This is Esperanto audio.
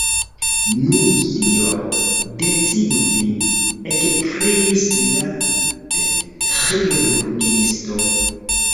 Nu, sinjoro, decidu vin, ekkriis la ĥirurgiisto.